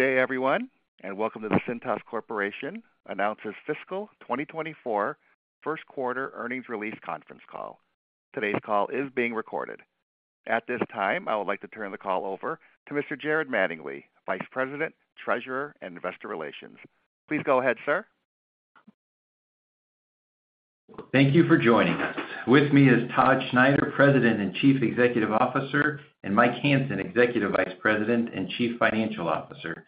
Good day, everyone, and welcome to the Cintas Corporation announces fiscal 2024 first quarter earnings release conference call. Today's call is being recorded. At this time, I would like to turn the call over to Mr. Jared Mattingley, Vice President, Treasurer, and Investor Relations. Please go ahead, sir. Thank you for joining us. With me is Todd Schneider, President and Chief Executive Officer, and Mike Hansen, Executive Vice President and Chief Financial Officer.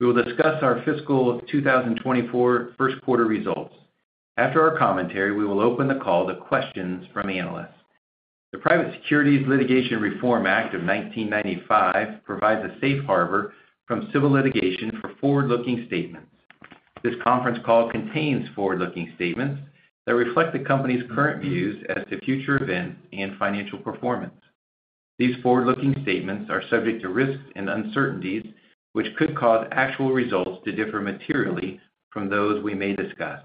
We will discuss our fiscal 2024 first quarter results. After our commentary, we will open the call to questions from the analysts. The Private Securities Litigation Reform Act of 1995 provides a safe harbor from civil litigation for forward-looking statements. This conference call contains forward-looking statements that reflect the company's current views as to future events and financial performance. These forward-looking statements are subject to risks and uncertainties, which could cause actual results to differ materially from those we may discuss.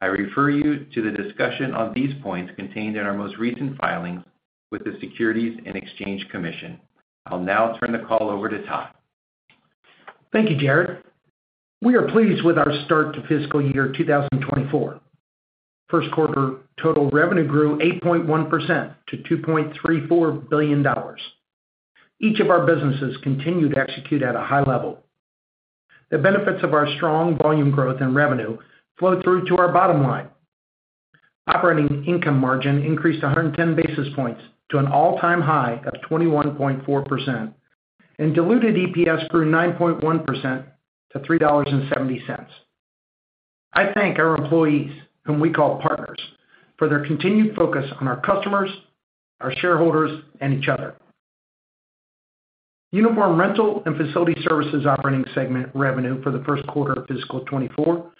I refer you to the discussion on these points contained in our most recent filings with the Securities and Exchange Commission. I'll now turn the call over to Todd. Thank you, Jared. We are pleased with our start to fiscal year 2024. First quarter total revenue grew 8.1% to $2.34 billion. Each of our businesses continued to execute at a high level. The benefits of our strong volume growth and revenue flowed through to our bottom line. Operating income margin increased 110 basis points to an all-time high of 21.4%, and diluted EPS grew 9.1% to $3.70. I thank our employees, whom we call partners, for their continued focus on our customers, our shareholders, and each other. Uniform rental and facility services operating segment revenue for the first quarter of fiscal 2024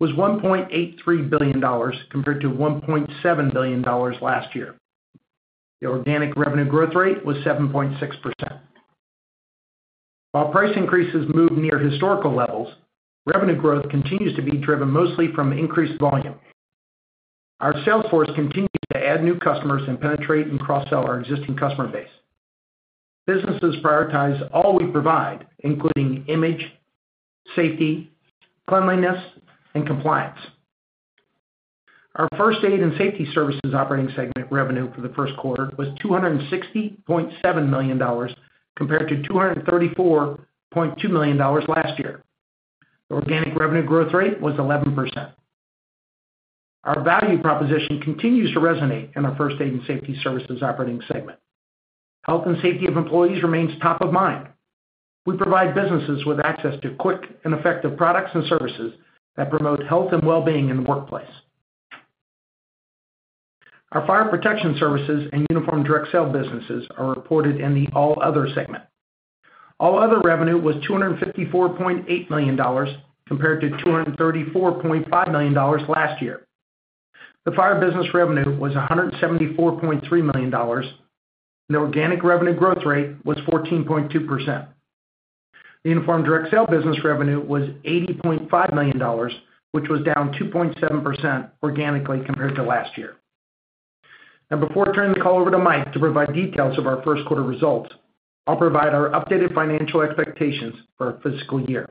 was $1.83 billion, compared to $1.7 billion last year. The organic revenue growth rate was 7.6%. While price increases move near historical levels, revenue growth continues to be driven mostly from increased volume. Our sales force continues to add new customers and penetrate and cross-sell our existing customer base. Businesses prioritize all we provide, including image, safety, cleanliness, and compliance. Our first aid and safety services operating segment revenue for the first quarter was $260.7 million, compared to $234.2 million last year. The organic revenue growth rate was 11%. Our value proposition continues to resonate in our first aid and safety services operating segment. Health and safety of employees remains top of mind. We provide businesses with access to quick and effective products and services that promote health and wellbeing in the workplace. Our fire protection services and uniform direct sale businesses are reported in the All Other segment. All Other revenue was $254.8 million, compared to $234.5 million last year. The fire business revenue was $174.3 million, and the organic revenue growth rate was 14.2%. The uniform direct sale business revenue was $80.5 million, which was down 2.7% organically compared to last year. Now, before turning the call over to Mike to provide details of our first quarter results, I'll provide our updated financial expectations for our fiscal year.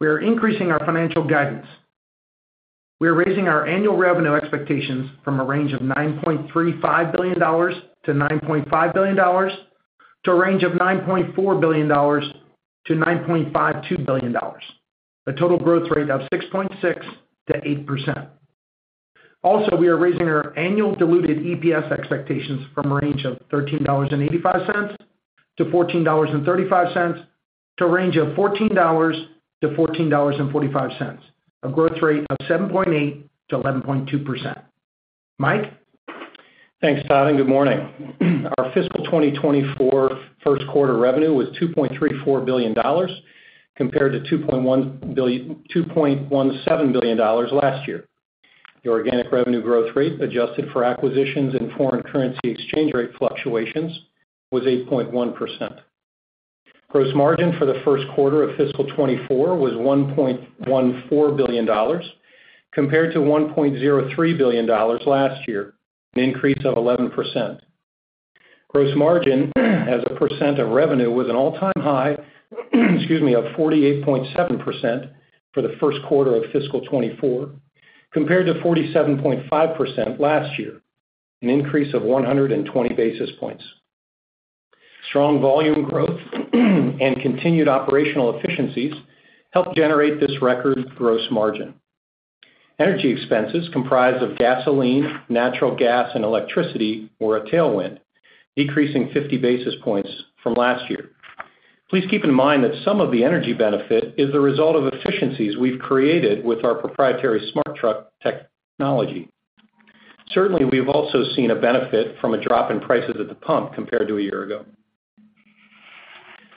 We are increasing our financial guidance. We are raising our annual revenue expectations from a range of $9.35 billion-$9.5 billion, to a range of $9.4 billion-$9.52 billion, a total growth rate of 6.6%-8%. Also, we are raising our annual diluted EPS expectations from a range of $13.85-$14.35, to a range of $14-$14.45, a growth rate of 7.8%-11.2%. Mike? Thanks, Todd, and good morning. Our fiscal 2024 first quarter revenue was $2.34 billion, compared to $2.17 billion last year. The organic revenue growth rate, adjusted for acquisitions and foreign currency exchange rate fluctuations, was 8.1%. Gross margin for the first quarter of fiscal 2024 was $1.14 billion, compared to $1.03 billion last year, an increase of 11%. Gross margin, as a percent of revenue, was an all-time high, excuse me, of 48.7% for the first quarter of fiscal 2024, compared to 47.5% last year, an increase of 120 basis points. Strong volume growth, and continued operational efficiencies helped generate this record gross margin. Energy expenses, comprised of gasoline, natural gas, and electricity, were a tailwind, decreasing 50 basis points from last year. Please keep in mind that some of the energy benefit is the result of efficiencies we've created with our proprietary SmartTruck technology. Certainly, we've also seen a benefit from a drop in prices at the pump compared to a year ago.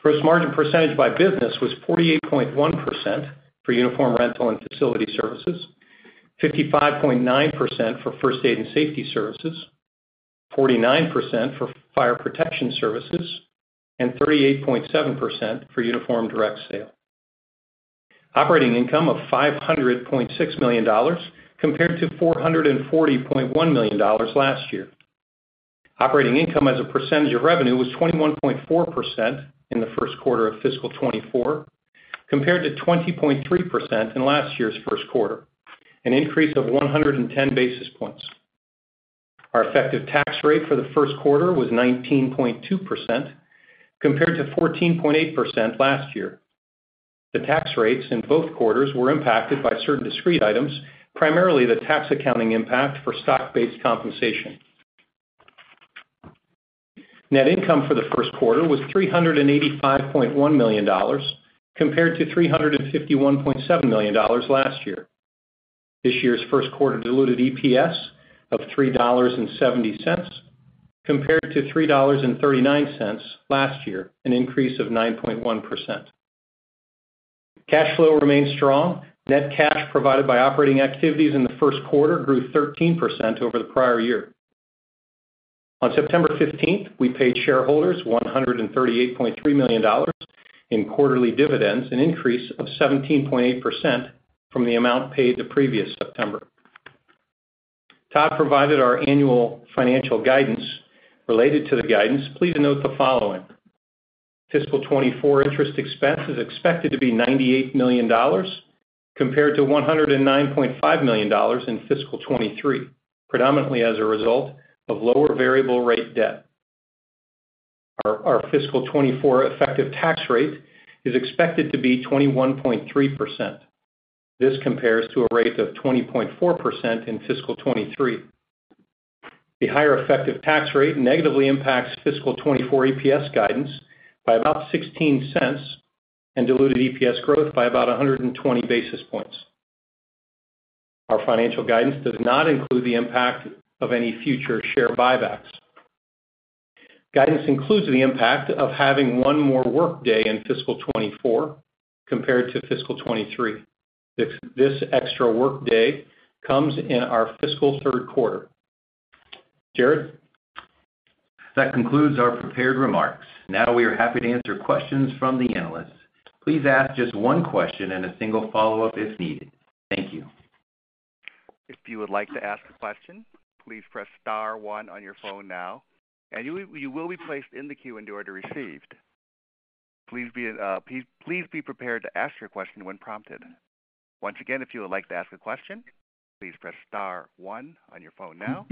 Gross margin percentage by business was 48.1% for uniform rental and facility services, 55.9% for first aid and safety services, 49% for fire protection services, and 38.7% for uniform direct sale.... operating income of $500.6 million compared to $440.1 million last year. Operating income as a percentage of revenue was 21.4% in the first quarter of fiscal 2024, compared to 20.3% in last year's first quarter, an increase of 110 basis points. Our effective tax rate for the first quarter was 19.2%, compared to 14.8% last year. The tax rates in both quarters were impacted by certain discrete items, primarily the tax accounting impact for stock-based compensation. Net income for the first quarter was $385.1 million, compared to $351.7 million last year. This year's first quarter diluted EPS of $3.70, compared to $3.39 last year, an increase of 9.1%. Cash flow remained strong. Net cash provided by operating activities in the first quarter grew 13% over the prior year. On September 15, we paid shareholders $138.3 million in quarterly dividends, an increase of 17.8% from the amount paid the previous September. Todd provided our annual financial guidance. Related to the guidance, please note the following: fiscal 2024 interest expense is expected to be $98 million compared to $109.5 million in fiscal 2023, predominantly as a result of lower variable rate debt. Our fiscal 2024 effective tax rate is expected to be 21.3%. This compares to a rate of 20.4% in fiscal 2023. The higher effective tax rate negatively impacts fiscal 2024 EPS guidance by about $0.16 and diluted EPS growth by about 120 basis points. Our financial guidance does not include the impact of any future share buybacks. Guidance includes the impact of having one more workday in fiscal 2024 compared to fiscal 2023. This extra workday comes in our fiscal third quarter. Jared? That concludes our prepared remarks. Now, we are happy to answer questions from the analysts. Please ask just one question and a single follow-up, if needed. Thank you. If you would like to ask a question, please press star one on your phone now, and you will be placed in the queue in the order received. Please be prepared to ask your question when prompted. Once again, if you would like to ask a question, please press star one on your phone now.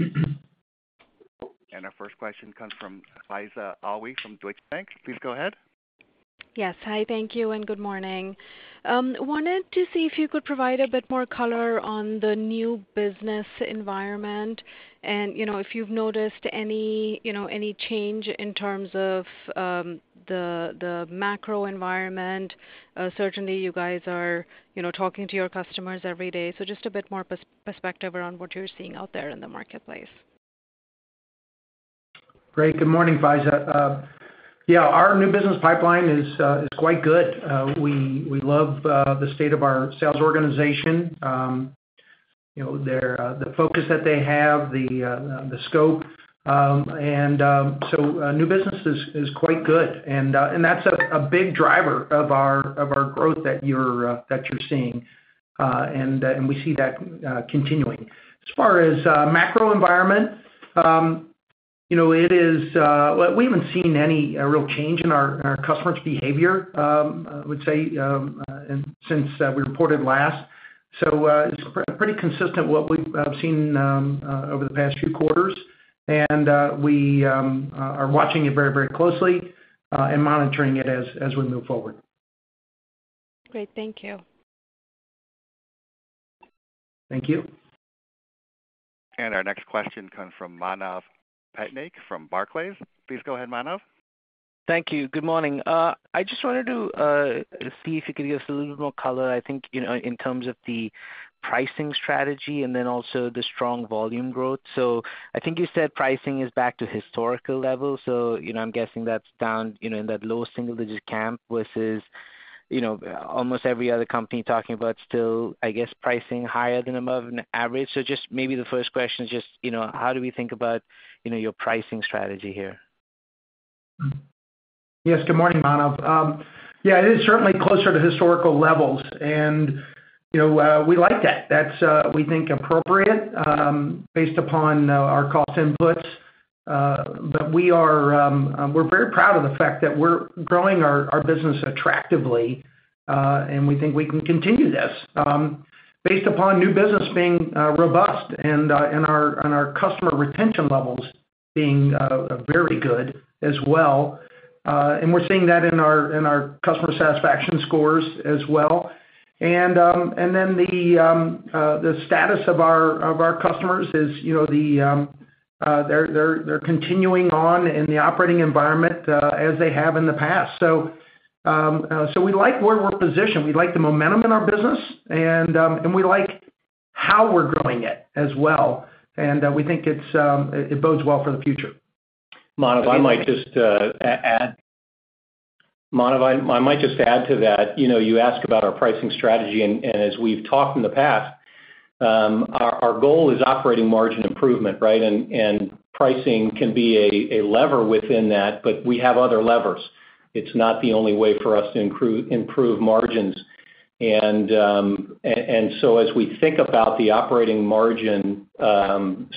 And our first question comes from Faiza Alwy from Deutsche Bank. Please go ahead. Yes. Hi, thank you, and good morning. Wanted to see if you could provide a bit more color on the new business environment and, you know, if you've noticed any, you know, any change in terms of, the macro environment. Certainly, you guys are, you know, talking to your customers every day. So just a bit more perspective around what you're seeing out there in the marketplace. Great. Good morning, Faiza. Yeah, our new business pipeline is quite good. We love the state of our sales organization. You know, their focus that they have, the scope. So new business is quite good. And that's a big driver of our growth that you're seeing, and we see that continuing. As far as macro environment, you know, it is... We haven't seen any real change in our customers' behavior, I would say, since we reported last. It's pretty consistent what we've seen over the past few quarters, and we are watching it very, very closely and monitoring it as we move forward. Great. Thank you. Thank you. Our next question comes from Manav Patnaik from Barclays. Please go ahead, Manav. Thank you. Good morning. I just wanted to see if you could give us a little more color, I think, you know, in terms of the pricing strategy and then also the strong volume growth. So I think you said pricing is back to historical levels, so, you know, I'm guessing that's down, you know, in that low single-digit camp, versus, you know, almost every other company talking about still, I guess, pricing higher than above average. So just maybe the first question is just, you know, how do we think about, you know, your pricing strategy here? Yes, good morning, Manav. Yeah, it is certainly closer to historical levels, and, you know, we like that. That's, we think, appropriate, based upon, our cost inputs. But we are, we're very proud of the fact that we're growing our, our business attractively, and we think we can continue this, based upon new business being, robust and, and our, and our customer retention levels being, very good as well. And we're seeing that in our, in our customer satisfaction scores as well. And, and then the, the status of our, of our customers is, you know, the, they're, they're, they're continuing on in the operating environment, as they have in the past. So, so we like where we're positioned. We like the momentum in our business, and we like how we're growing it as well, and we think it bodes well for the future. Manav, I might just add to that. You know, you ask about our pricing strategy, and as we've talked in the past, Our goal is operating margin improvement, right? And pricing can be a lever within that, but we have other levers. It's not the only way for us to improve margins. And so as we think about the operating margin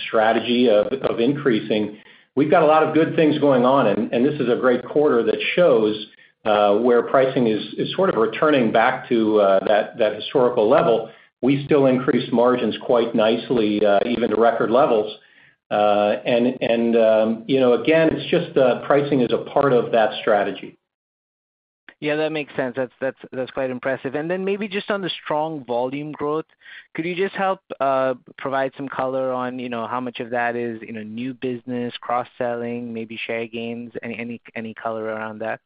strategy of increasing, we've got a lot of good things going on, and this is a great quarter that shows where pricing is sort of returning back to that historical level. We still increase margins quite nicely, even to record levels. And you know, again, it's just the pricing is a part of that strategy. Yeah, that makes sense. That's quite impressive. And then maybe just on the strong volume growth, could you just help provide some color on, you know, how much of that is, you know, new business, cross-selling, maybe share gains? Any color around that?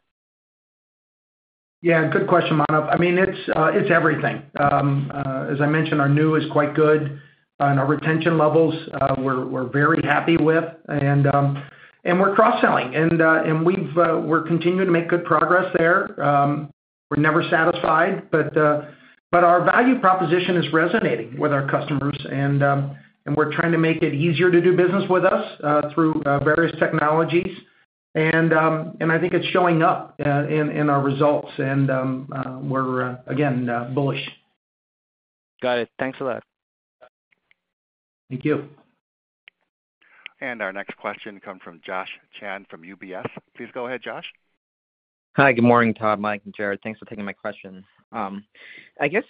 Yeah, good question, Manav. I mean, it's, it's everything. As I mentioned, our new is quite good, and our retention levels, we're very happy with. And we're cross-selling, and we've, we're continuing to make good progress there. We're never satisfied, but our value proposition is resonating with our customers, and we're trying to make it easier to do business with us through various technologies. And I think it's showing up in our results, and we're again bullish. Got it. Thanks a lot. Thank you. Our next question comes from Josh Chan from UBS. Please go ahead, Josh. Hi, good morning, Todd, Mike, and Jared. Thanks for taking my questions. I guess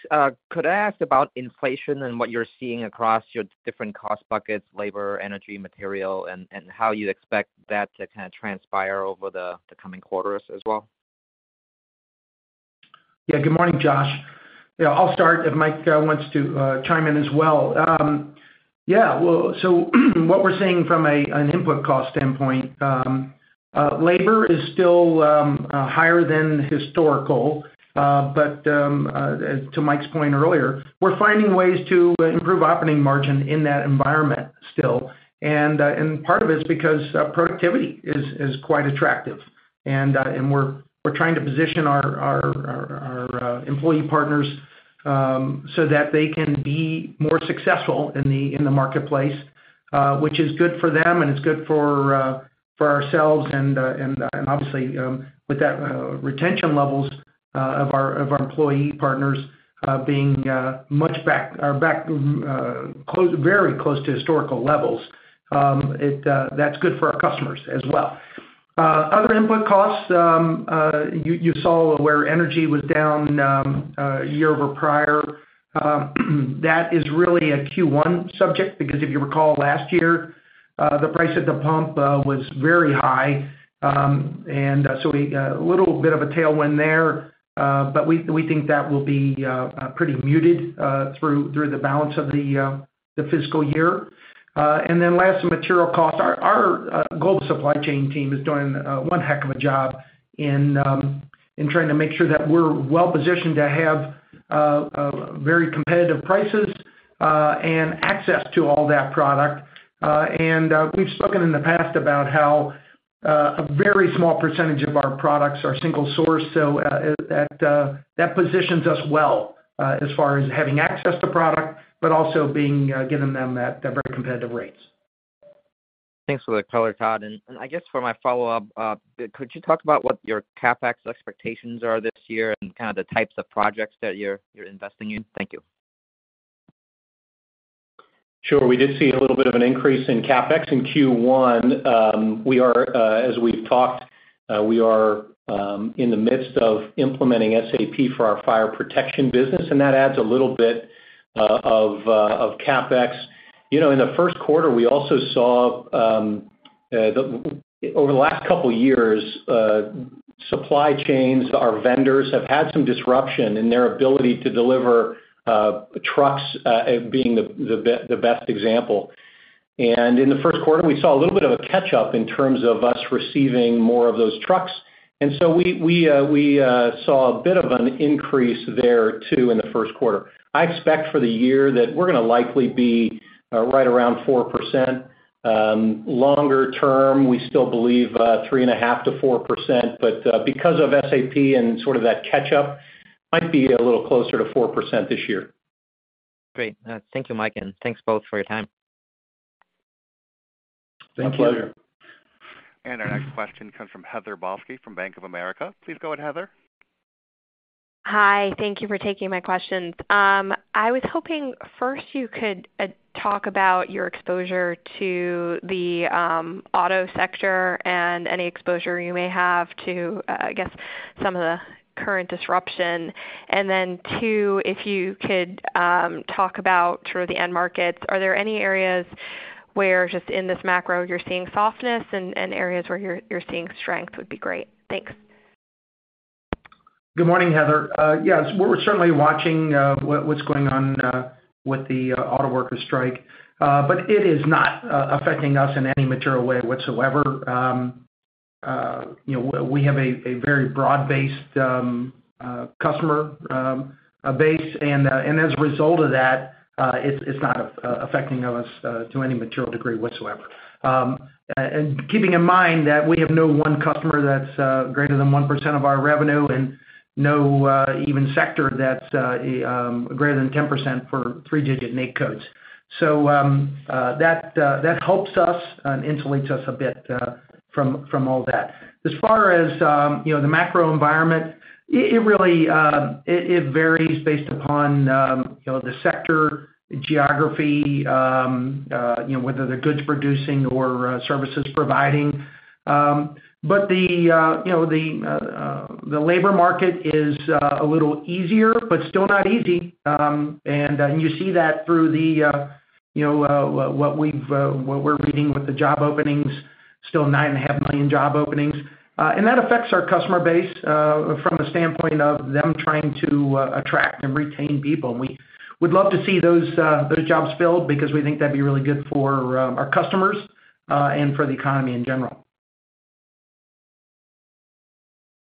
could I ask about inflation and what you're seeing across your different cost buckets, labor, energy, material, and how you expect that to kinda transpire over the coming quarters as well? Yeah. Good morning, Josh. Yeah, I'll start if Mike wants to chime in as well. Yeah. Well, so what we're seeing from an input cost standpoint, labor is still higher than historical. But to Mike's point earlier, we're finding ways to improve operating margin in that environment still. And part of it's because productivity is quite attractive. And we're trying to position our employee partners so that they can be more successful in the marketplace, which is good for them, and it's good for ourselves and obviously with that, retention levels of our employee partners being much back are back close - very close to historical levels, it... That's good for our customers as well. Other input costs, you saw where energy was down, year over prior. That is really a Q1 subject, because if you recall, last year, the price at the pump was very high. And, so we got a little bit of a tailwind there, but we think that will be pretty muted through the balance of the fiscal year. And then last, material costs. Our global supply chain team is doing one heck of a job in trying to make sure that we're well positioned to have very competitive prices and access to all that product. And we've spoken in the past about how a very small percentage of our products are single source, so that positions us well as far as having access to product, but also giving them at very competitive rates. Thanks for the color, Todd. I guess for my follow-up, could you talk about what your CapEx expectations are this year and kind of the types of projects that you're investing in? Thank you. Sure. We did see a little bit of an increase in CapEx in Q1. We are, as we've talked, we are in the midst of implementing SAP for our fire protection business, and that adds a little bit of CapEx. You know, in the first quarter, we also saw, over the last couple years, supply chains, our vendors, have had some disruption in their ability to deliver trucks, being the best example. And in the first quarter, we saw a little bit of a catch-up in terms of us receiving more of those trucks, and so we saw a bit of an increase there too in the first quarter. I expect for the year that we're gonna likely be right around 4%. Longer term, we still believe 3.5%-4%, but because of SAP and sort of that catch-up, might be a little closer to 4% this year. Great. Thank you, Mike, and thanks both for your time. Thank you. My pleasure. Our next question comes from Heather Balsky from Bank of America. Please go ahead, Heather. Hi, thank you for taking my questions. I was hoping first you could talk about your exposure to the auto sector and any exposure you may have to, I guess, some of the current disruption. And then two, if you could talk about sort of the end markets. Are there any areas where just in this macro, you're seeing softness and areas where you're seeing strength, would be great. Thanks. Good morning, Heather. Yes, we're certainly watching what's going on with the autoworkers strike. But it is not affecting us in any material way whatsoever. You know, we have a very broad-based customer base, and as a result of that, it's not affecting us to any material degree whatsoever. And keeping in mind that we have no one customer that's greater than 1% of our revenue, and no even sector that's greater than 10% for three-digit NAICS codes. So, that helps us and insulates us a bit from all that. As far as, you know, the macro environment, it really varies based upon, you know, the sector, geography, you know, whether they're goods producing or services providing. But the labor market is a little easier but still not easy. And you see that through what we're reading with the job openings, still 9.5 million job openings. And that affects our customer base, from the standpoint of them trying to attract and retain people. We'd love to see those jobs filled because we think that'd be really good for our customers and for the economy in general.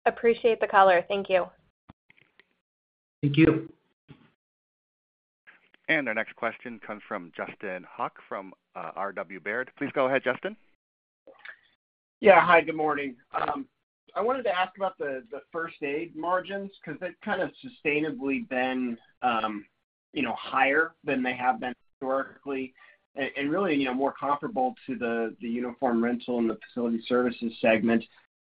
Appreciate the color. Thank you. Thank you. Our next question comes from Justin Hauke from RW Baird. Please go ahead, Justin. Yeah. Hi, good morning. I wanted to ask about the first aid margins, 'cause they've kind of sustainably been, you know, higher than they have been historically, and really, you know, more comparable to the uniform rental and the facility services segment.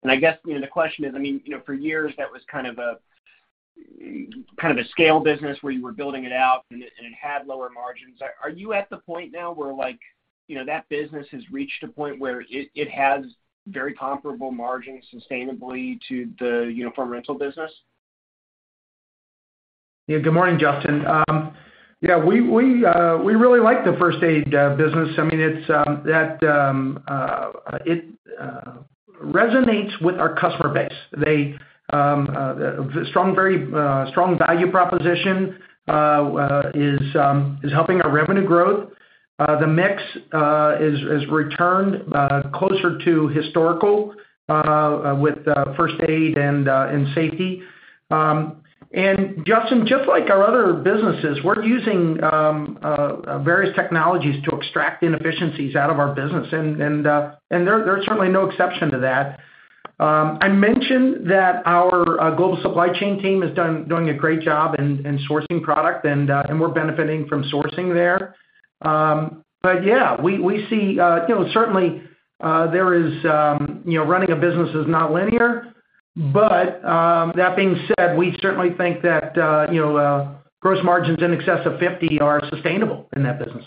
And I guess, you know, the question is, I mean, you know, for years, that was kind of a scale business where you were building it out, and it had lower margins. Are you at the point now where, like, you know, that business has reached a point where it has very comparable margins sustainably to the uniform rental business? Yeah. Good morning, Justin. Yeah, we really like the first aid business. I mean, it's that, it resonates with our customer base. They, strong, very strong value proposition, is helping our revenue growth. The mix has returned closer to historical, with first aid and safety. Justin, just like our other businesses, we're using various technologies to extract inefficiencies out of our business, and they're certainly no exception to that. I mentioned that our global supply chain team is doing a great job in sourcing product, and we're benefiting from sourcing there. But yeah, we see, you know, certainly there is, you know, running a business is not linear, but that being said, we certainly think that, you know, gross margins in excess of 50 are sustainable in that business.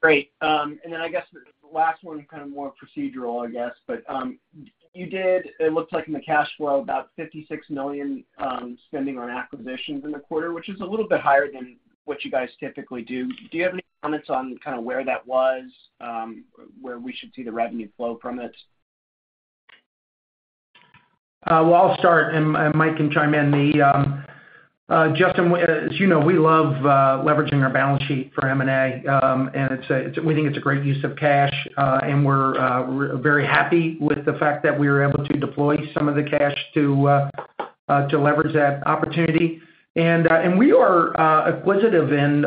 Great. And then I guess the last one is kind of more procedural, I guess. But, you did, it looked like in the cash flow, about $56 million spending on acquisitions in the quarter, which is a little bit higher than what you guys typically do. Do you have any comments on kind of where that was, where we should see the revenue flow from it? Well, I'll start and Mike can chime in. Justin, as you know, we love leveraging our balance sheet for M&A. And we think it's a great use of cash, and we're very happy with the fact that we were able to deploy some of the cash to leverage that opportunity. And we are acquisitive in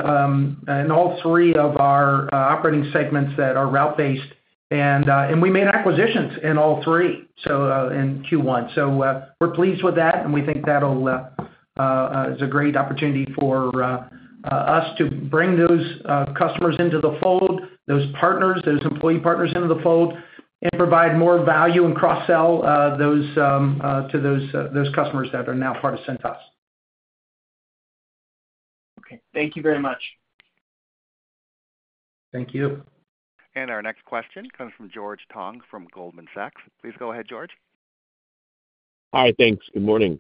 all three of our operating segments that are route-based, and we made acquisitions in all three, so in Q1. So, we're pleased with that, and we think that'll, it's a great opportunity for us to bring those customers into the fold, those partners, those employee partners into the fold, and provide more value and cross-sell those to those those customers that are now part of Cintas. Okay. Thank you very much. Thank you. Our next question comes from George Tong, from Goldman Sachs. Please go ahead, George. Hi. Thanks. Good morning.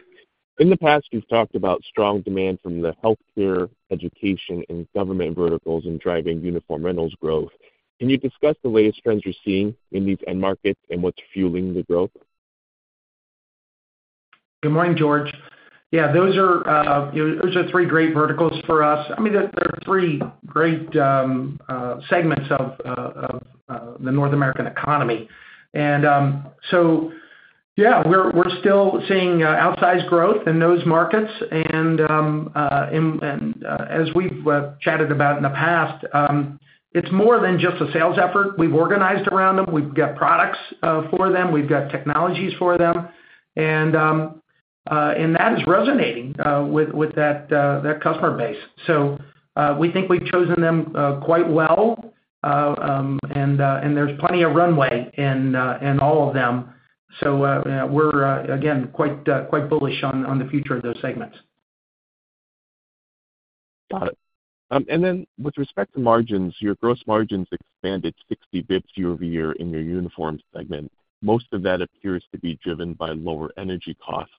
In the past, you've talked about strong demand from the healthcare, education, and government verticals in driving uniform rentals growth. Can you discuss the latest trends you're seeing in these end markets and what's fueling the growth? Good morning, George. Yeah, those are, you know, those are three great verticals for us. I mean, they're three great segments of the North American economy. And, so yeah, we're still seeing outsized growth in those markets. And, as we've chatted about in the past, it's more than just a sales effort. We've organized around them, we've got products for them, we've got technologies for them, and that is resonating with that customer base. So, we think we've chosen them quite well, and there's plenty of runway in all of them. So, we're again quite bullish on the future of those segments. Got it. And then with respect to margins, your gross margins expanded 60 basis points year-over-year in your uniform segment. Most of that appears to be driven by lower energy costs.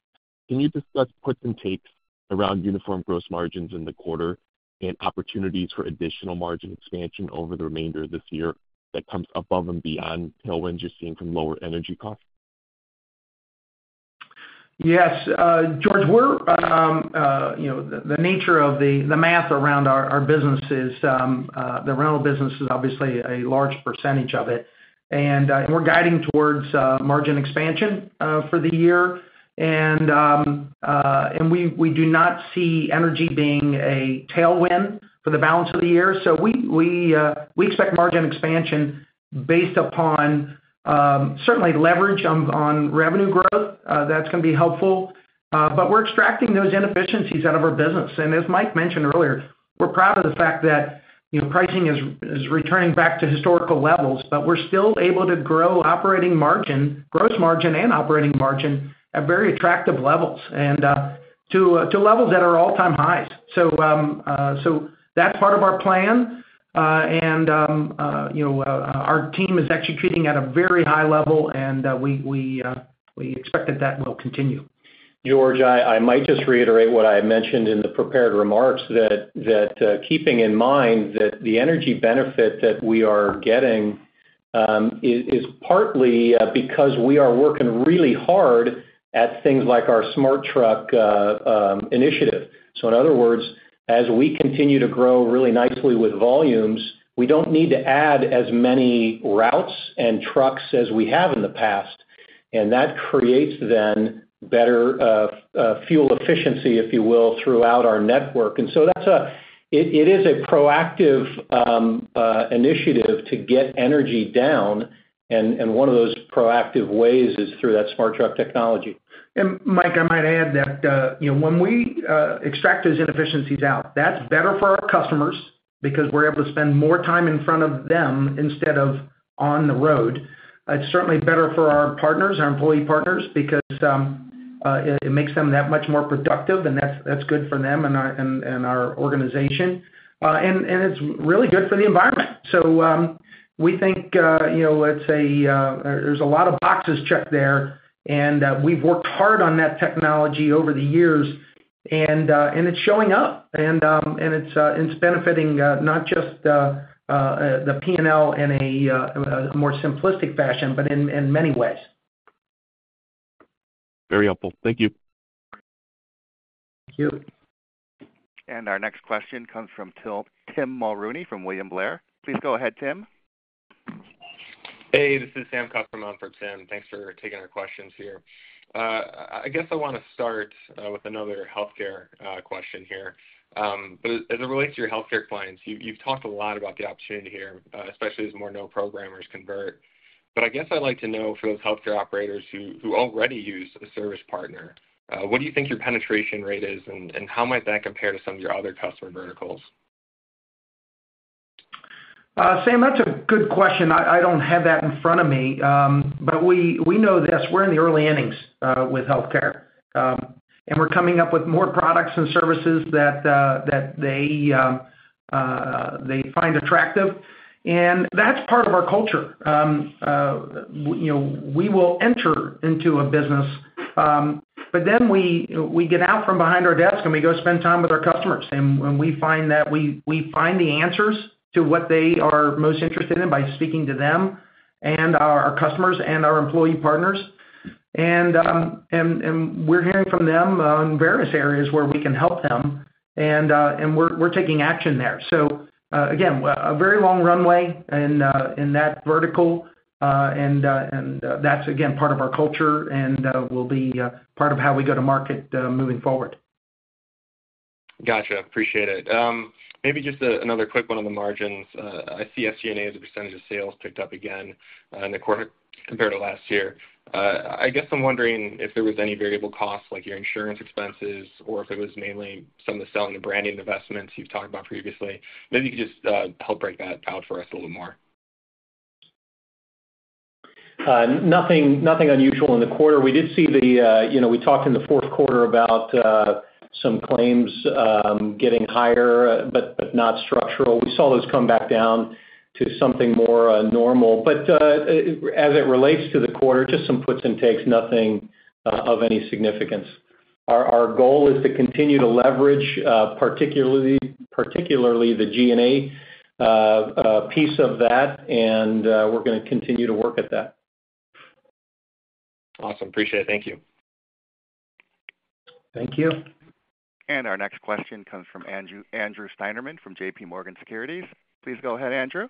Can you discuss puts and takes around uniform gross margins in the quarter and opportunities for additional margin expansion over the remainder of this year that comes above and beyond tailwinds you're seeing from lower energy costs?... Yes, George, we're, you know, the nature of the math around our business is the rental business is obviously a large percentage of it, and we're guiding towards margin expansion for the year. And we do not see energy being a tailwind for the balance of the year. So we expect margin expansion based upon certainly leverage on revenue growth. That's gonna be helpful. But we're extracting those inefficiencies out of our business. And as Mike mentioned earlier, we're proud of the fact that, you know, pricing is returning back to historical levels, but we're still able to grow operating margin, gross margin and operating margin at very attractive levels and to levels that are all-time highs. So, that's part of our plan. And, you know, our team is executing at a very high level, and we expect that that will continue. George, I might just reiterate what I had mentioned in the prepared remarks, keeping in mind that the energy benefit that we are getting is partly because we are working really hard at things like our SmartTruck initiative. So in other words, as we continue to grow really nicely with volumes, we don't need to add as many routes and trucks as we have in the past, and that creates then better fuel efficiency, if you will, throughout our network. And so that's a proactive initiative to get energy down, and one of those proactive ways is through that SmartTruck technology. And Mike, I might add that, you know, when we extract those inefficiencies out, that's better for our customers because we're able to spend more time in front of them instead of on the road. It's certainly better for our partners, our employee partners, because it makes them that much more productive, and that's good for them and our organization. It's really good for the environment. So, we think, you know, let's say, there's a lot of boxes checked there, and we've worked hard on that technology over the years, and it's showing up, and it's benefiting not just the P&L in a more simplistic fashion, but in many ways. Very helpful. Thank you. Thank you. Our next question comes from Tim Mulrooney from William Blair. Please go ahead, Tim. Hey, this is Sam Kusswurm from Tim Mulrooney. Thanks for taking our questions here. I guess I want to start with another healthcare question here. But as it relates to your healthcare clients, you've, you've talked a lot about the opportunity here, especially as more no programmers convert. But I guess I'd like to know for those healthcare operators who, who already use a service partner, what do you think your penetration rate is, and, and how might that compare to some of your other customer verticals? Sam, that's a good question. I don't have that in front of me, but we know this, we're in the early innings with healthcare. We're coming up with more products and services that they find attractive, and that's part of our culture. You know, we will enter into a business, but then we get out from behind our desks, and we go spend time with our customers. When we find that, we find the answers to what they are most interested in by speaking to them and our customers and our employee partners. We're hearing from them in various areas where we can help them, and we're taking action there. So, again, a very long runway in that vertical, and that's again part of our culture, and will be part of how we go to market moving forward. Gotcha. Appreciate it. Maybe just another quick one on the margins. I see SG&A as a percentage of sales ticked up again in the quarter compared to last year. I guess I'm wondering if there was any variable costs, like your insurance expenses, or if it was mainly some of the selling and branding investments you've talked about previously. Maybe you could just help break that out for us a little more. Nothing, nothing unusual in the quarter. We did see the. You know, we talked in the fourth quarter about some claims getting higher, but, but not structural. We saw those come back down to something more normal. But, as it relates to the quarter, just some puts and takes, nothing of any significance. Our, our goal is to continue to leverage, particularly, particularly the G&A piece of that, and we're gonna continue to work at that. Awesome. Appreciate it. Thank you. Thank you. Our next question comes from Andrew Steinerman from JPMorgan Securities. Please go ahead, Andrew.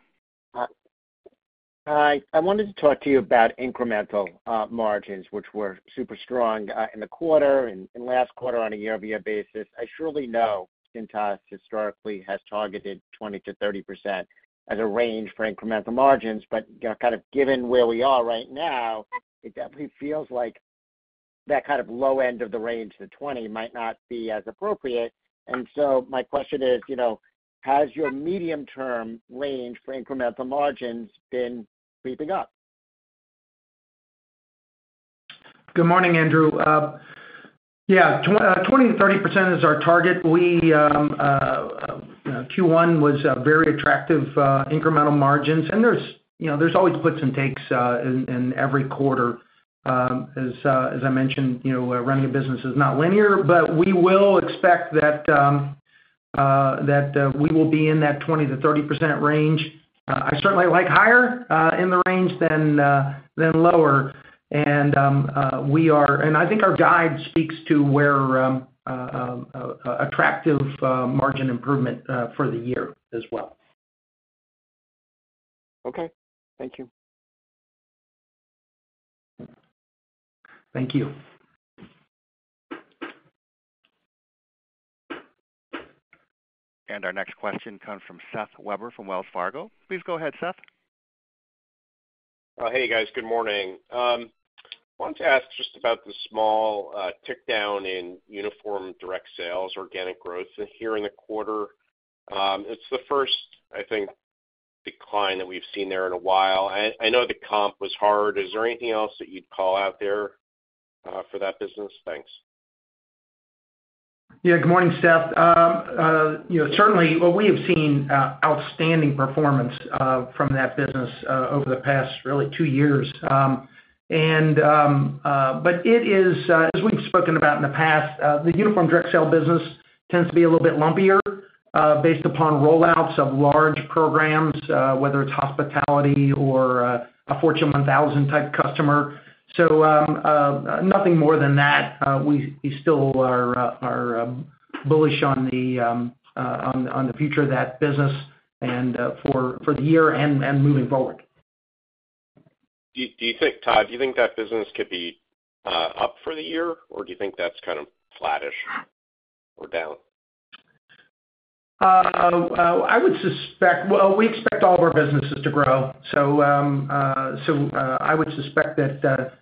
Hi. I wanted to talk to you about incremental margins, which were super strong in the quarter and, and last quarter on a year-over-year basis. I surely know Cintas historically has targeted 20%-30% as a range for incremental margins, but kind of given where we are right now, it definitely feels like that kind of low end of the range, the 20, might not be as appropriate. And so my question is, you know, has your medium-term range for incremental margins been creeping up? Good morning, Andrew. Yeah, 20%-30% is our target. We, Q1 was a very attractive incremental margins, and there's, you know, there's always puts and takes in every quarter. As I mentioned, you know, running a business is not linear, but we will expect that we will be in that 20%-30% range.... I certainly like higher in the range than lower. And we are, and I think our guide speaks to where attractive margin improvement for the year as well. Okay. Thank you. Thank you. Our next question comes from Seth Weber from Wells Fargo. Please go ahead, Seth. Hey, guys, good morning. Wanted to ask just about the small tick down in uniform direct sales, organic growth here in the quarter. It's the first, I think, decline that we've seen there in a while, and I know the comp was hard. Is there anything else that you'd call out there for that business? Thanks. Yeah. Good morning, Seth. You know, certainly, well, we have seen outstanding performance from that business over the past, really, two years. And but it is, as we've spoken about in the past, the uniform direct sale business tends to be a little bit lumpier based upon rollouts of large programs, whether it's hospitality or a Fortune 1,000 type customer. So, nothing more than that. We still are bullish on the future of that business and for the year and moving forward. Do, do you think, Todd, do you think that business could be up for the year, or do you think that's kind of flattish or down? Well, I would suspect. Well, we expect all of our businesses to grow, so I would suspect that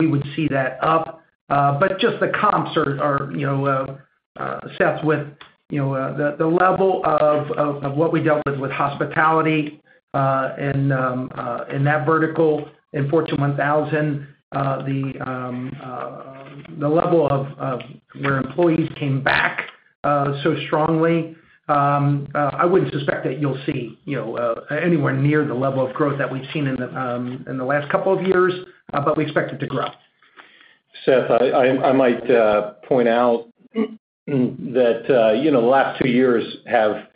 we would see that up. But just the comps are, you know, Seth, with, you know, the level of what we dealt with with hospitality and in that vertical in Fortune 1,000, the level of where employees came back so strongly. I wouldn't suspect that you'll see, you know, anywhere near the level of growth that we've seen in the last couple of years, but we expect it to grow. Seth, I might point out that, you know, the last two years have,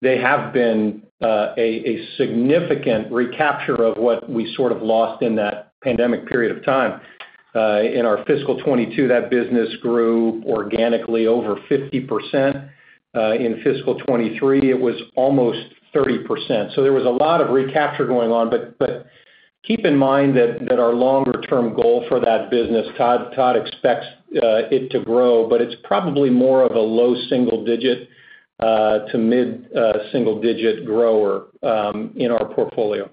they have been a significant recapture of what we sort of lost in that pandemic period of time. In our fiscal 2022, that business grew organically over 50%. In fiscal 2023, it was almost 30%. So there was a lot of recapture going on. But keep in mind that our longer-term goal for that business, Todd expects it to grow, but it's probably more of a low single digit to mid single digit grower in our portfolio.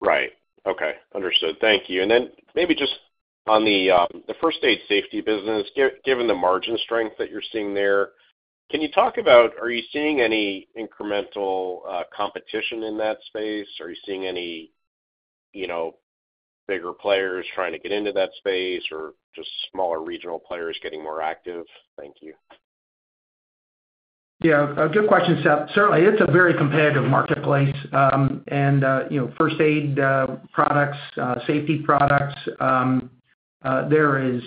Right. Okay, understood. Thank you. And then maybe just on the first aid safety business, given the margin strength that you're seeing there, can you talk about, are you seeing any incremental competition in that space? Are you seeing any, you know, bigger players trying to get into that space, or just smaller regional players getting more active? Thank you. Yeah, a good question, Seth. Certainly, it's a very competitive marketplace. And, you know, first aid products, safety products, there is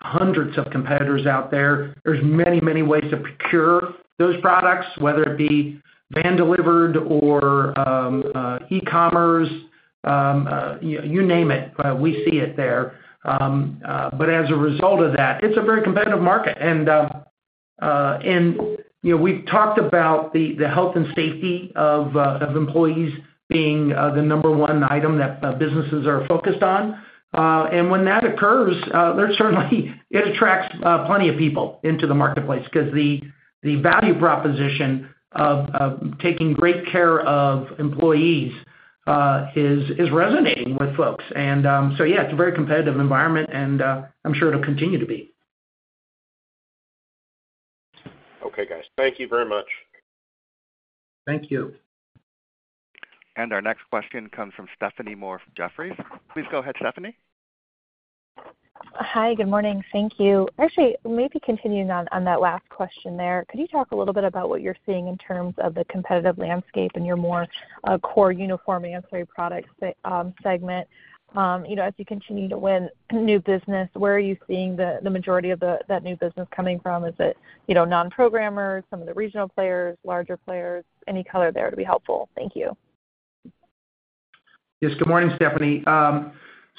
hundreds of competitors out there. There's many, many ways to procure those products, whether it be van delivered or e-commerce, you name it, we see it there. But as a result of that, it's a very competitive market, and, you know, we've talked about the health and safety of employees being the number one item that businesses are focused on. And when that occurs, there certainly it attracts plenty of people into the marketplace because the value proposition of taking great care of employees is resonating with folks. So yeah, it's a very competitive environment, and I'm sure it'll continue to be. Okay, guys. Thank you very much. Thank you. Our next question comes from Stephanie Moore from Jefferies. Please go ahead, Stephanie. Hi, good morning. Thank you. Actually, maybe continuing on, on that last question there. Could you talk a little bit about what you're seeing in terms of the competitive landscape and your more, core uniform ancillary products, segment? You know, as you continue to win new business, where are you seeing the majority of that new business coming from? Is it, you know, non-programmers, some of the regional players, larger players? Any color there to be helpful. Thank you. Yes, good morning, Stephanie.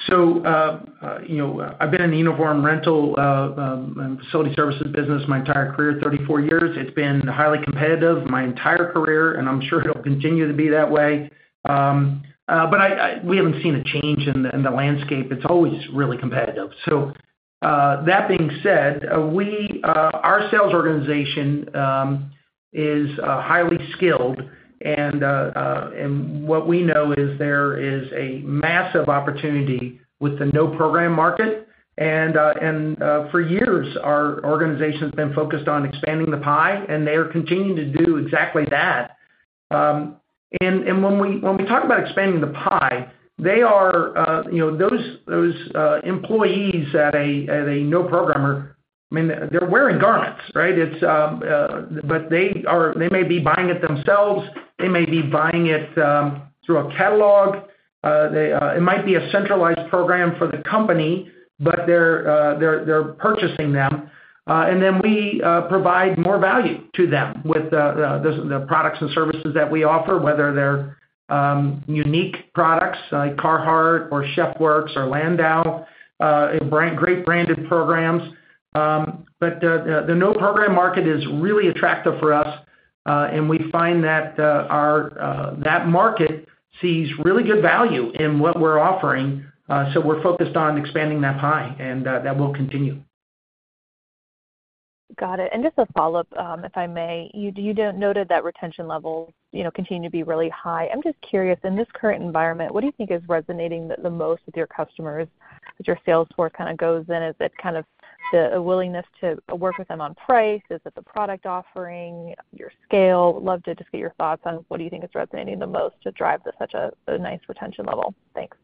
So, you know, I've been in the uniform rental and facility services business my entire career, 34 years. It's been highly competitive my entire career, and I'm sure it'll continue to be that way. But we haven't seen a change in the landscape. It's always really competitive. So, that being said, our sales organization is highly skilled, and what we know is there is a massive opportunity with the no-program market. And for years, our organization's been focused on expanding the pie, and they are continuing to do exactly that. And when we talk about expanding the pie, they are, you know, those employees at a no programmer, I mean, they're wearing garments, right? But they are—they may be buying it themselves, they may be buying it through a catalog. They... It might be a centralized program for the company, but they're, they're, they're purchasing them, and then we provide more value to them with the, the, the products and services that we offer, whether they're unique products like Carhartt or Chef Works or Landau, it brand-great branded programs. But the, the no-program market is really attractive for us, and we find that, our, that market sees really good value in what we're offering. So we're focused on expanding that pie, and, that will continue. Got it. And just a follow-up, if I may. You noted that retention levels, you know, continue to be really high. I'm just curious, in this current environment, what do you think is resonating the most with your customers, as your sales force kind of goes in? Is it kind of a willingness to work with them on price? Is it the product offering, your scale? Love to just get your thoughts on what do you think is resonating the most to drive such a nice retention level. Thanks.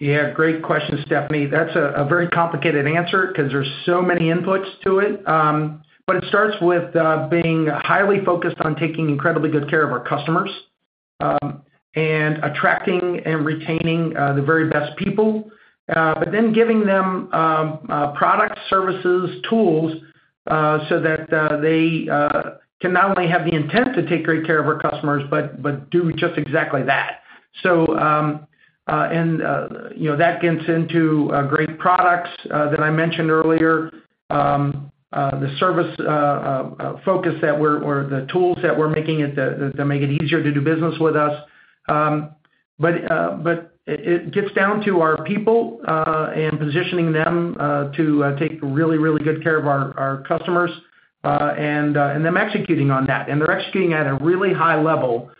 Yeah, great question, Stephanie. That's a very complicated answer 'cause there's so many inputs to it. But it starts with being highly focused on taking incredibly good care of our customers, and attracting and retaining the very best people. But then giving them product services, tools, so that they can not only have the intent to take great care of our customers, but do just exactly that. So, and you know, that gets into great products that I mentioned earlier. The service focus that we're-- or the tools that we're making it, the, to make it easier to do business with us. But it gets down to our people and positioning them to take really, really good care of our customers and them executing on that. They're executing at a really high level.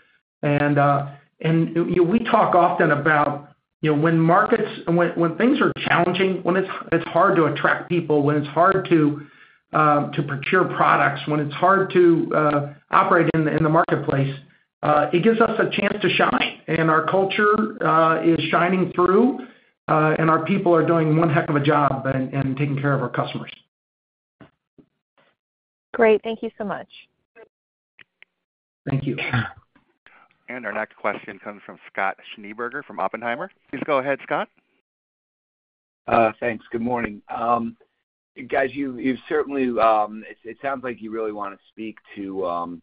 You know, we talk often about, you know, when things are challenging, when it's hard to attract people, when it's hard to procure products, when it's hard to operate in the marketplace. It gives us a chance to shine. Our culture is shining through, and our people are doing one heck of a job in taking care of our customers. Great. Thank you so much. Thank you. Our next question comes from Scott Schneeberger from Oppenheimer. Please go ahead, Scott. Thanks. Good morning. Guys, you've, you've certainly... It, it sounds like you really wanna speak to, to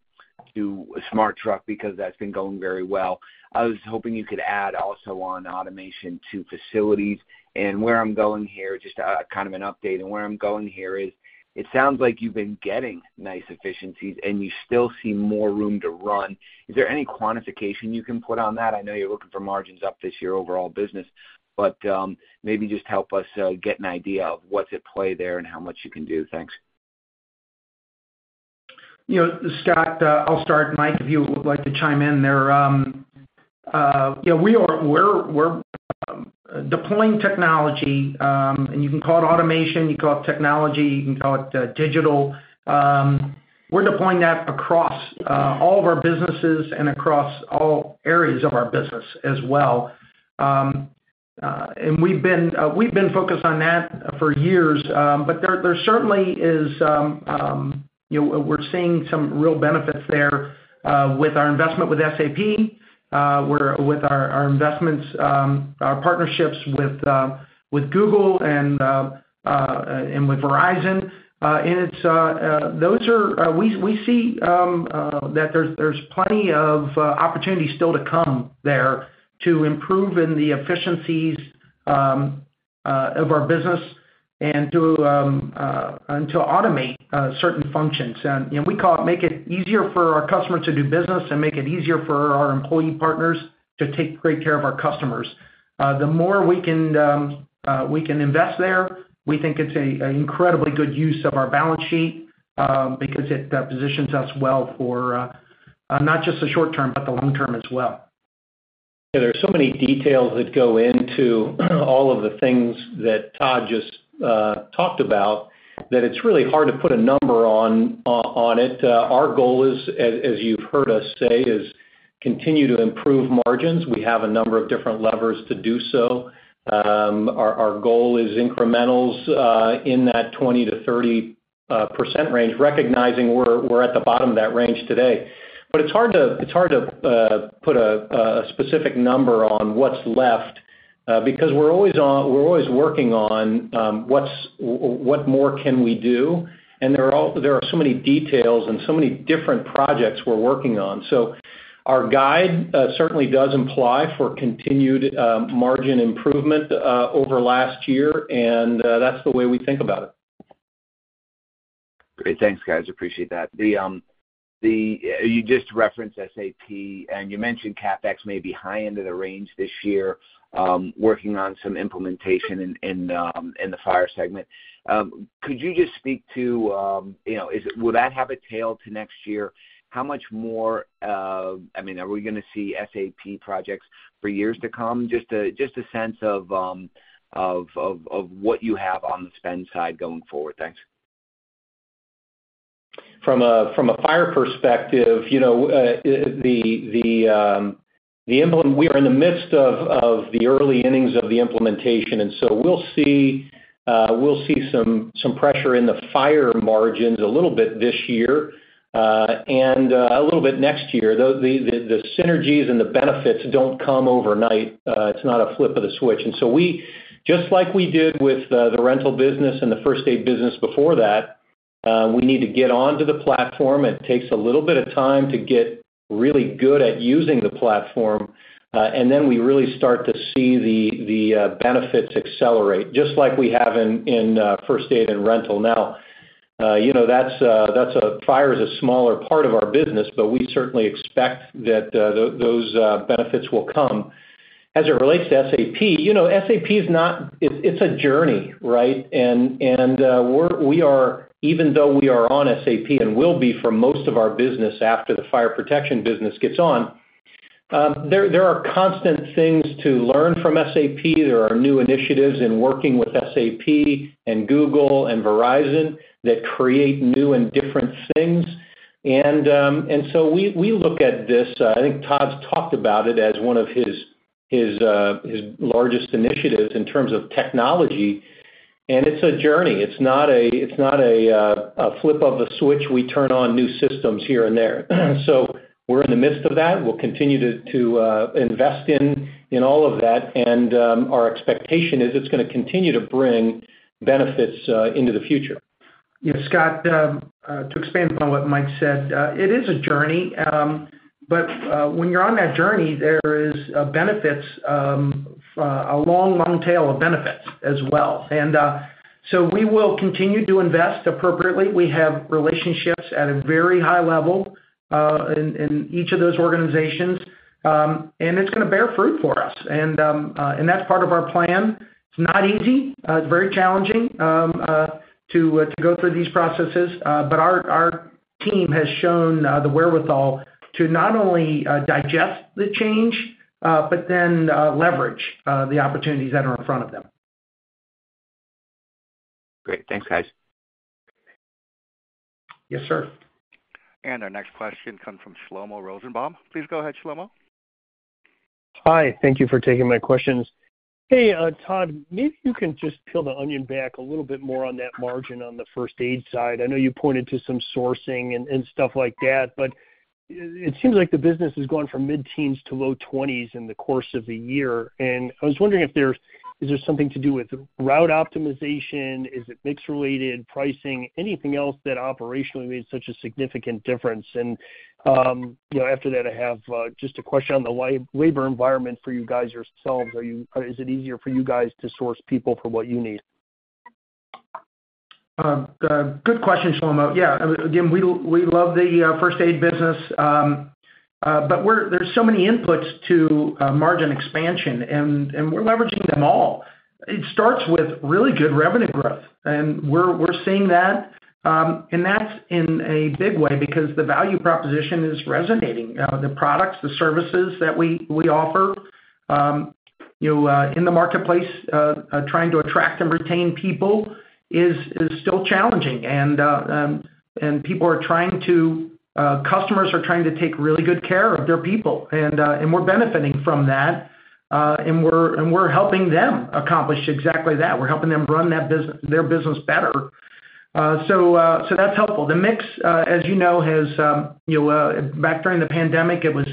SmartTruck because that's been going very well. I was hoping you could add also on automation to facilities. And where I'm going here, just, kind of an update, and where I'm going here is, it sounds like you've been getting nice efficiencies, and you still see more room to run. Is there any quantification you can put on that? I know you're looking for margins up this year, overall business, but, maybe just help us, get an idea of what's at play there and how much you can do. Thanks. You know, Scott, I'll start. Mike, if you would like to chime in there. Yeah, we are, we're deploying technology, and you can call it automation, you can call it technology, you can call it digital. We're deploying that across all of our businesses and across all areas of our business as well. And we've been focused on that for years, but there certainly is, you know, we're seeing some real benefits there with our investment with SAP, where with our investments, our partnerships with Google and with Verizon. And it's we see that there's plenty of opportunities still to come there to improve in the efficiencies of our business and to automate certain functions. You know, we call it make it easier for our customers to do business and make it easier for our employee partners to take great care of our customers. The more we can invest there, we think it's an incredibly good use of our balance sheet because it positions us well for not just the short term, but the long term as well. There are so many details that go into all of the things that Todd just talked about, that it's really hard to put a number on it. Our goal is, as you've heard us say, is continue to improve margins. We have a number of different levers to do so. Our goal is incrementals in that 20-30% range, recognizing we're at the bottom of that range today. But it's hard to put a specific number on what's left, because we're always working on what more can we do? And there are so many details and so many different projects we're working on. So our guide certainly does imply for continued margin improvement over last year, and that's the way we think about it. Great. Thanks, guys. Appreciate that. You just referenced SAP, and you mentioned CapEx may be high end of the range this year, working on some implementation in the fire segment. Could you just speak to, you know, is it, will that have a tail to next year? How much more, I mean, are we gonna see SAP projects for years to come? Just a sense of what you have on the spend side going forward. Thanks. From a fire perspective, you know, the implementation—we are in the midst of the early innings of the implementation, and so we'll see some pressure in the fire margins a little bit this year... and a little bit next year. Though the synergies and the benefits don't come overnight, it's not a flip of the switch. And so we—just like we did with the rental business and the first aid business before that, we need to get onto the platform. It takes a little bit of time to get really good at using the platform, and then we really start to see the benefits accelerate, just like we have in first aid and rental. Now, you know, that's a fire is a smaller part of our business, but we certainly expect that those benefits will come. As it relates to SAP, you know, SAP is not, it's a journey, right? And we are, even though we are on SAP and will be for most of our business after the fire protection business gets on, there are constant things to learn from SAP. There are new initiatives in working with SAP and Google and Verizon that create new and different things. And so we look at this. I think Todd's talked about it as one of his largest initiatives in terms of technology, and it's a journey. It's not a flip of a switch, we turn on new systems here and there. So we're in the midst of that. We'll continue to invest in all of that, and our expectation is it's gonna continue to bring benefits into the future. Yeah, Scott, to expand on what Mike said, it is a journey. But when you're on that journey, there is benefits, a long, long tail of benefits as well. And so we will continue to invest appropriately. We have relationships at a very high level, in each of those organizations, and it's gonna bear fruit for us. And that's part of our plan. It's not easy. It's very challenging to go through these processes, but our team has shown the wherewithal to not only digest the change, but then leverage the opportunities that are in front of them. Great. Thanks, guys. Yes, sir. Our next question comes from Shlomo Rosenbaum. Please go ahead, Shlomo. Hi, thank you for taking my questions. Hey, Todd, maybe you can just peel the onion back a little bit more on that margin on the first aid side. I know you pointed to some sourcing and, and stuff like that, but it seems like the business has gone from mid-teens to low twenties in the course of the year. And I was wondering if there's, is there something to do with route optimization? Is it mix related, pricing, anything else that operationally made such a significant difference? And, you know, after that, I have just a question on the labor environment for you guys yourselves. Are you, is it easier for you guys to source people for what you need? Good question, Shlomo. Yeah, again, we love the first aid business, but there's so many inputs to margin expansion, and we're leveraging them all. It starts with really good revenue growth, and we're seeing that, and that's in a big way because the value proposition is resonating. The products, the services that we offer, you know, in the marketplace, trying to attract and retain people is still challenging. And customers are trying to take really good care of their people, and we're benefiting from that, and we're helping them accomplish exactly that. We're helping them run that business—their business better. So that's helpful. The mix, as you know, has you know back during the pandemic, it was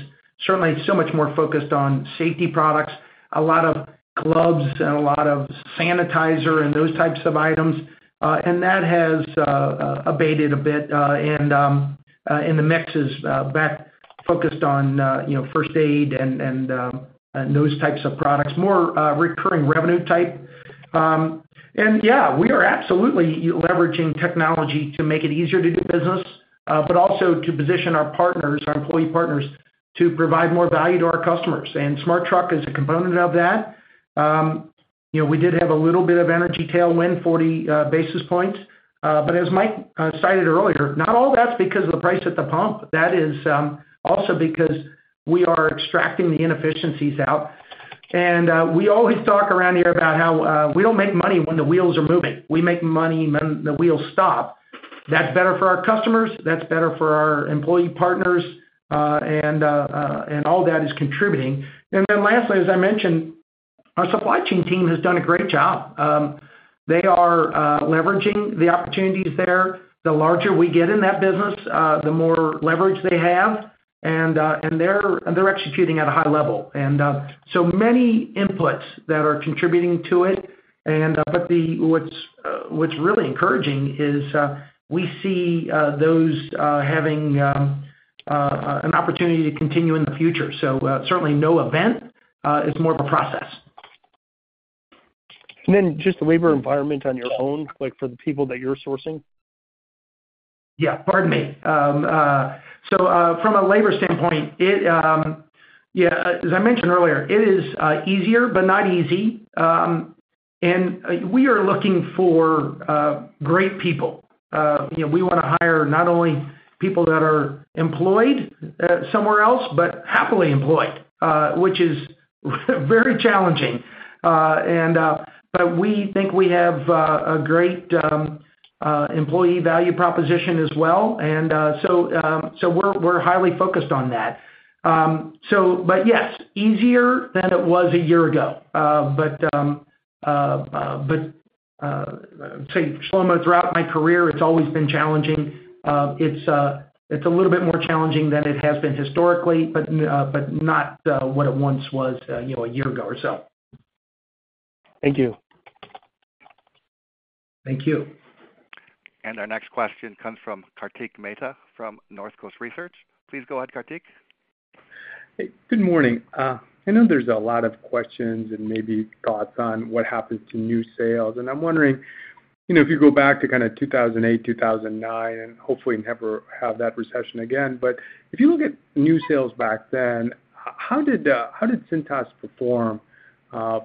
certainly so much more focused on safety products, a lot of gloves and a lot of sanitizer and those types of items. And that has abated a bit, and the mix is back focused on you know first aid and those types of products, more recurring revenue type. And yeah, we are absolutely leveraging technology to make it easier to do business, but also to position our partners, our employee partners, to provide more value to our customers. And SmartTruck is a component of that. You know, we did have a little bit of energy tailwind, 40 basis points, but as Mike cited earlier, not all that's because of the price at the pump. That is also because we are extracting the inefficiencies out. And we always talk around here about how we don't make money when the wheels are moving. We make money when the wheels stop. That's better for our customers, that's better for our employee partners, and all that is contributing. And then lastly, as I mentioned, our supply chain team has done a great job. They are leveraging the opportunities there. The larger we get in that business, the more leverage they have, and they're executing at a high level. And so many inputs that are contributing to it. And but what's really encouraging is we see those having an opportunity to continue in the future. Certainly no event, it's more of a process. And then just the labor environment on your own, like for the people that you're sourcing? Yeah, pardon me. So, from a labor standpoint, it, yeah, as I mentioned earlier, it is easier, but not easy. And we are looking for great people. You know, we wanna hire not only people that are employed somewhere else, but happily employed, which is very challenging. And but we think we have a great employee value proposition as well, and so we're highly focused on that. So, but yes, easier than it was a year ago. But I'd say Shlomo, throughout my career, it's always been challenging. It's a little bit more challenging than it has been historically, but not what it once was, you know, a year ago or so. Thank you. Thank you. Our next question comes from Kartik Mehta from North Coast Research. Please go ahead, Kartik. Hey, good morning. I know there's a lot of questions and maybe thoughts on what happens to new sales, and I'm wondering, you know, if you go back to kinda 2008, 2009, and hopefully never have that recession again, but if you look at new sales back then, how did, how did Cintas perform,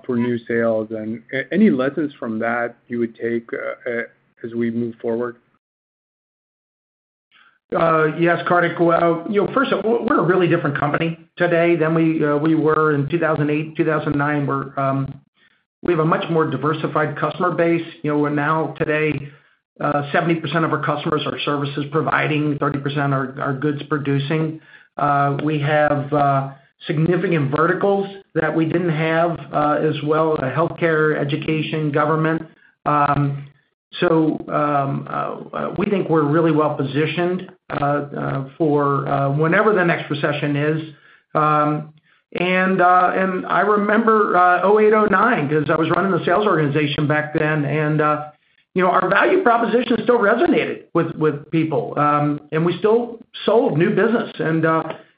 for new sales? And any lessons from that you would take, as we move forward? Yes, Kartik. Well, you know, first of all, we're a really different company today than we were in 2008, 2009, where we have a much more diversified customer base. You know, we're now, today, 70% of our customers are services providing, 30% are goods producing. We have significant verticals that we didn't have as well, healthcare, education, government. So, we think we're really well positioned for whenever the next recession is. And I remember 2008, 2009, 'cause I was running the sales organization back then, and you know, our value proposition still resonated with people. And we still sold new business, and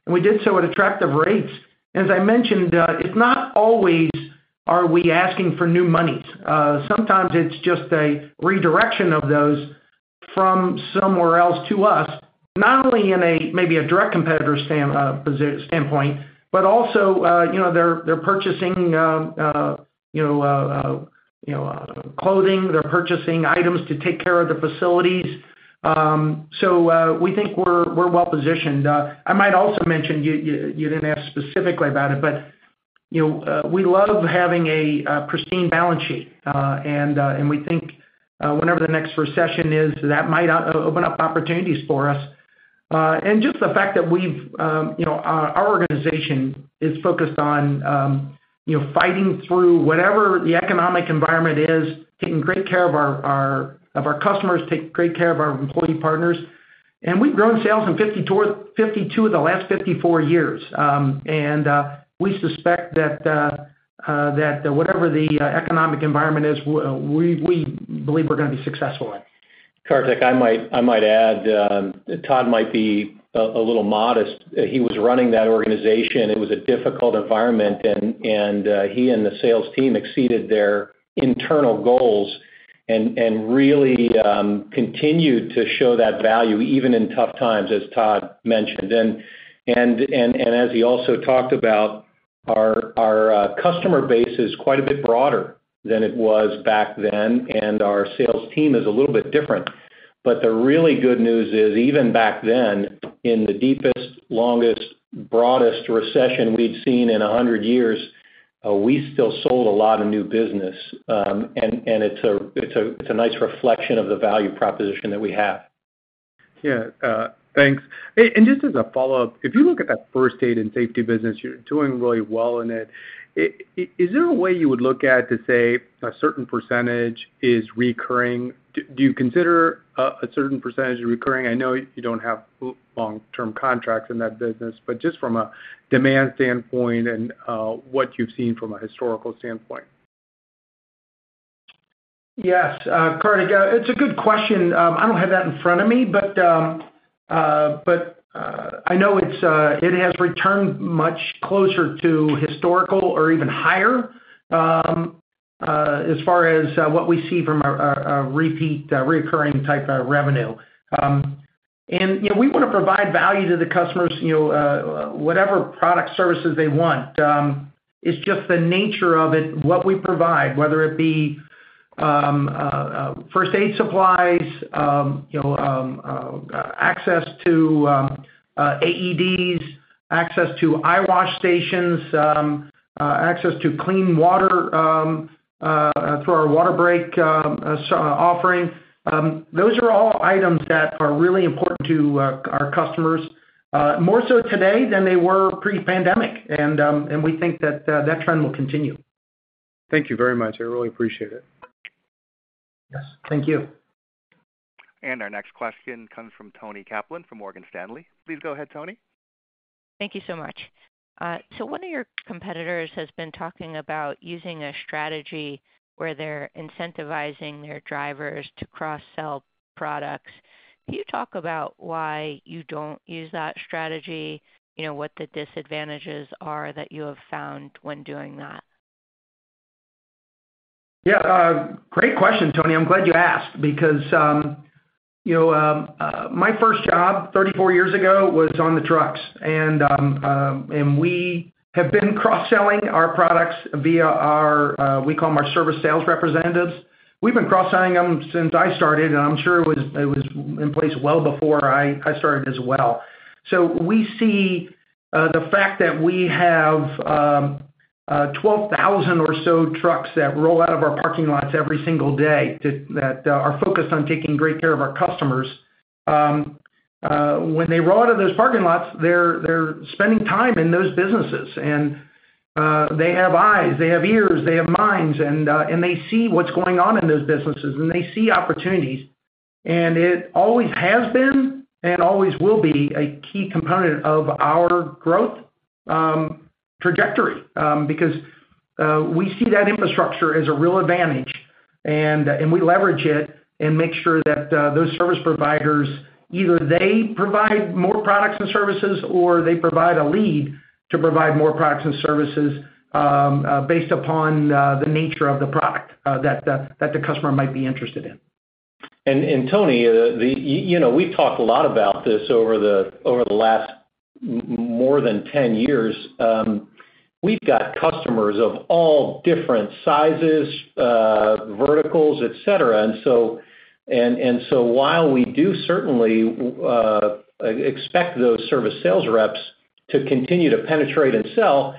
we did so at attractive rates. As I mentioned, it's not always, are we asking for new monies? Sometimes it's just a redirection of those from somewhere else to us, not only in a maybe a direct competitor standpoint, but also, you know, they're purchasing, you know, clothing. They're purchasing items to take care of their facilities. So, we think we're well positioned. I might also mention, you didn't ask specifically about it, but, you know, we love having a pristine balance sheet. And we think, whenever the next recession is, that might open up opportunities for us. Just the fact that we've, you know, our organization is focused on, you know, fighting through whatever the economic environment is, taking great care of our customers, take great care of our employee partners. We've grown sales in 52 of the last 54 years. We suspect that whatever the economic environment is, we believe we're gonna be successful at it. Kartik, I might add, Todd might be a little modest. He was running that organization. It was a difficult environment, and he and the sales team exceeded their internal goals and really continued to show that value even in tough times, as Todd mentioned. And as he also talked about, our customer base is quite a bit broader than it was back then, and our sales team is a little bit different. But the really good news is, even back then, in the deepest, longest, broadest recession we'd seen in 100 years, we still sold a lot of new business. And it's a nice reflection of the value proposition that we have. Yeah, thanks. Hey, and just as a follow-up, if you look at that first aid and safety business, you're doing really well in it. Is there a way you would look at to say a certain percentage is recurring? Do you consider a certain percentage recurring? I know you don't have long-term contracts in that business, but just from a demand standpoint and what you've seen from a historical standpoint. Yes, Kartik, it's a good question. I don't have that in front of me, but I know it has returned much closer to historical or even higher, as far as what we see from a repeat recurring type of revenue. You know, we want to provide value to the customers, you know, whatever product, services they want. It's just the nature of it, what we provide, whether it be first aid supplies, you know, access to AEDs, access to eyewash stations, access to clean water through our WaterBreak offering. Those are all items that are really important to our customers, more so today than they were pre-pandemic. We think that trend will continue. Thank you very much. I really appreciate it. Yes, thank you. Our next question comes from Toni Kaplan from Morgan Stanley. Please go ahead, Toni. Thank you so much. So one of your competitors has been talking about using a strategy where they're incentivizing their drivers to cross-sell products. Can you talk about why you don't use that strategy? You know, what the disadvantages are that you have found when doing that? Yeah, great question, Toni. I'm glad you asked because, you know, my first job 34 years ago was on the trucks, and we have been cross-selling our products via our, we call them our service sales representatives. We've been cross-selling them since I started, and I'm sure it was in place well before I started as well. So we see the fact that we have 12,000 or so trucks that roll out of our parking lots every single day that are focused on taking great care of our customers. When they roll out of those parking lots, they're spending time in those businesses, and they have eyes, they have ears, they have minds, and they see what's going on in those businesses, and they see opportunities. It always has been and always will be a key component of our growth trajectory. Because we see that infrastructure as a real advantage, and we leverage it and make sure that those service providers either provide more products and services, or they provide a lead to provide more products and services, based upon the nature of the product that the customer might be interested in. And Toni, you know, we've talked a lot about this over the last more than 10 years. We've got customers of all different sizes, verticals, et cetera. And so while we do certainly expect those service sales reps to continue to penetrate and sell,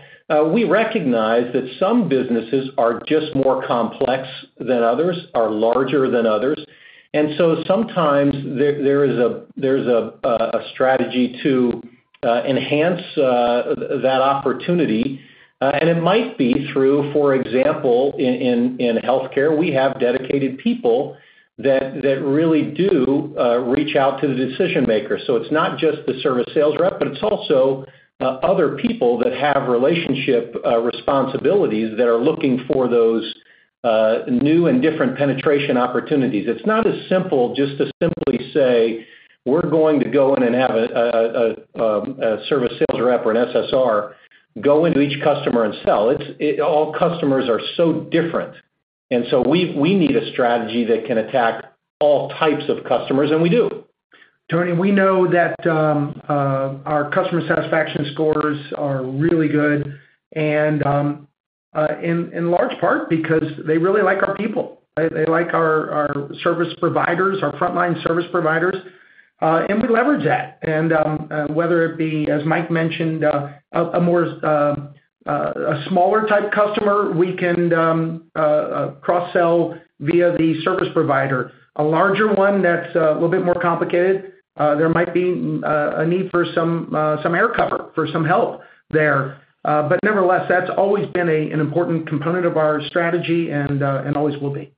we recognize that some businesses are just more complex than others, are larger than others. And so sometimes there is a strategy to enhance that opportunity. And it might be through, for example, in healthcare, we have dedicated people that really do reach out to the decision-maker. So it's not just the service sales rep, but it's also other people that have relationship responsibilities that are looking for those new and different penetration opportunities. It's not as simple, just to simply say, "We're going to go in and have a service sales rep or an SSR go into each customer and sell." It's all customers are so different, and so we need a strategy that can attack all types of customers, and we do. Toni, we know that our customer satisfaction scores are really good, and in large part because they really like our people. They like our service providers, our frontline service providers, and we leverage that. And whether it be, as Mike mentioned, a more, a smaller type customer, we can cross-sell via the service provider. A larger one that's a little bit more complicated, there might be a need for some some air cover, for some help there. But nevertheless, that's always been a an important component of our strategy and and always will be.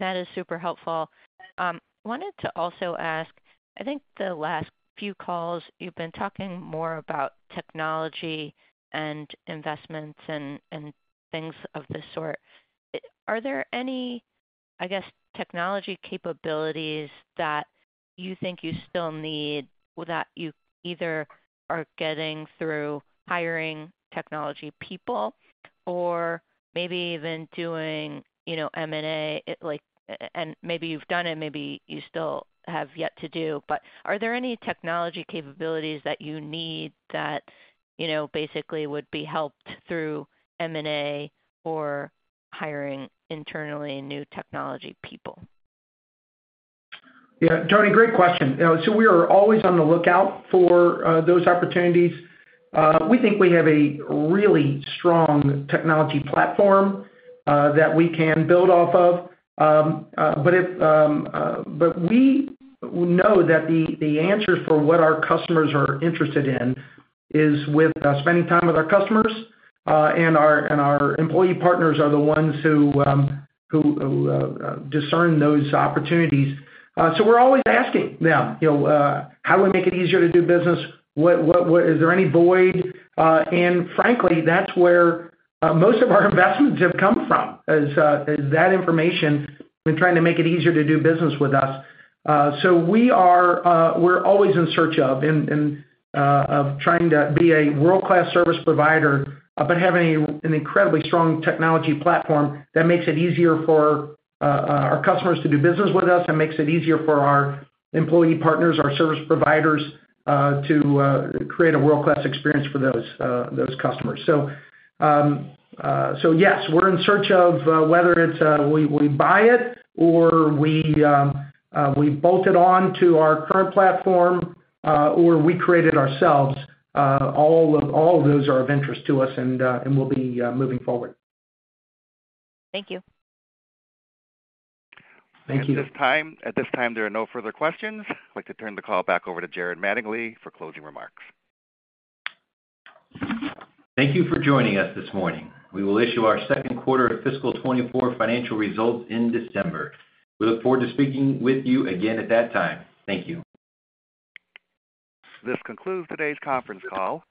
That is super helpful. Wanted to also ask, I think the last few calls, you've been talking more about technology and investments and, and things of this sort. Are there any, I guess, technology capabilities that you think you still need, that you either are getting through hiring technology people or maybe even doing, you know, M&A, like... And maybe you've done it, maybe you still have yet to do. But are there any technology capabilities that you need that, you know, basically would be helped through M&A or hiring internally new technology people? Yeah, Toni, great question. So we are always on the lookout for those opportunities. We think we have a really strong technology platform that we can build off of. But we know that the answer for what our customers are interested in is with spending time with our customers, and our employee partners are the ones who discern those opportunities. So we're always asking them, you know, how do we make it easier to do business? What is there any void? And frankly, that's where most of our investments have come from, is that information. We're trying to make it easier to do business with us. So we are. We're always in search of, and, and, of trying to be a world-class service provider, but having an incredibly strong technology platform that makes it easier for our customers to do business with us, and makes it easier for our employee partners, our service providers, to create a world-class experience for those, those customers. So, so yes, we're in search of, whether it's, we, we buy it, or we, we bolt it on to our current platform, or we create it ourselves. All of, all of those are of interest to us and, and will be moving forward. Thank you. Thank you. At this time, there are no further questions. I'd like to turn the call back over to Jared Mattingley for closing remarks. Thank you for joining us this morning. We will issue our second quarter of fiscal 2024 financial results in December. We look forward to speaking with you again at that time. Thank you. This concludes today's conference call.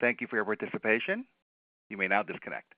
Thank you for your participation. You may now disconnect.